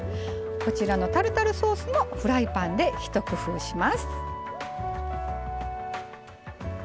タルタルソースもフライパンで一工夫します。